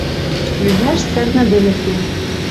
Йӱмӓш цӓрнӹдӹмӹ кен.